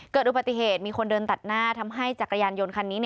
เกิดอุบัติเหตุมีคนเดินตัดหน้าทำให้จักรยานยนต์คันนี้